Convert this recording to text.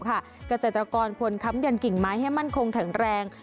เกษตรกรควรค้ำยันกิ่งไม้ให้มั่นคงแข็งแรง